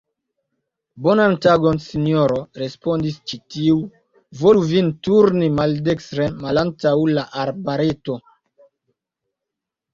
Bonan tagon, sinjoro, respondis ĉi tiu, volu vin turni maldekstren malantaŭ la arbareto.